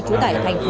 trú cải thành phố